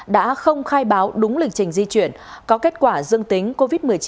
đã không khai báo đúng lịch trình di chuyển có kết quả dương tính covid một mươi chín